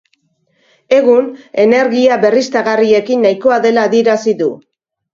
Egun, energia berriztagarriekin nahikoa dela adierazi du.